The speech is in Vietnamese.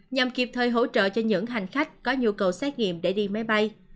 nhằm kịp thời hỗ trợ cho những hành khách có nhu cầu xét nghiệm để đi máy bay